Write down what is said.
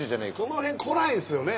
この辺来ないですよね